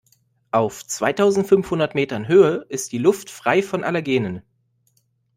Auf zweitausendfünfhundert Metern Höhe ist die Luft frei von Allergenen.